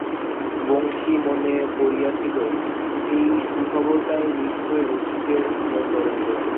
বংশী মনে করিয়াছিল এই সুখবরটায় নিশ্চয়ই রসিকের মন নরম হইবে।